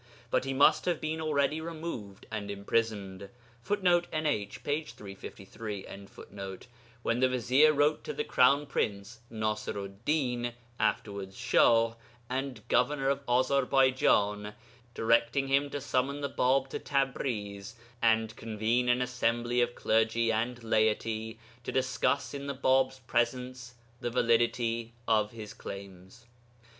But he must have been already removed and imprisoned, [Footnote: NH, p. 353.] when the vizier wrote to the Crown Prince (Nasiru'd Din, afterwards Shah) and governor of Azarbaijan directing him to summon the Bāb to Tabriz and convene an assembly of clergy and laity to discuss in the Bāb's presence the validity of his claims.